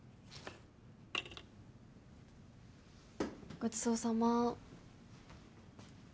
ごちそうさま。